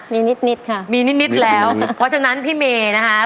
มีนิดนิดค่ะมีนิดนิดแล้วเพราะฉะนั้นพี่เมย์นะคะ